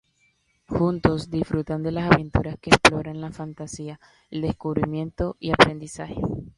Juntos disfrutan de las aventuras que exploran la fantasía, el descubrimiento y aprendizaje.